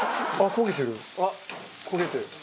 焦げてる。